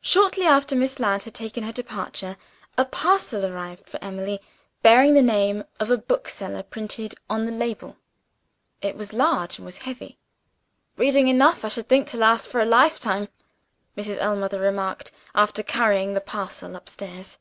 Shortly after Miss Ladd had taken her departure, a parcel arrived for Emily, bearing the name of a bookseller printed on the label. It was large, and it was heavy. "Reading enough, I should think, to last for a lifetime," Mrs. Ellmother remarked, after carrying the parcel upstairs.